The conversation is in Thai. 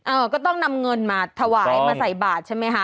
ก็ต้องนำเงินมาถวายมาใส่บาทใช่ไหมคะ